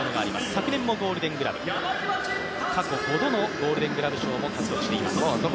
昨年もゴールデングラブ、過去５度のゴールデングラブ賞も獲得しています。